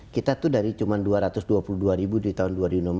kita tuh dari cuma dua ratus dua puluh dua ribu di tahun dua ribu enam belas